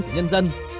của nhân dân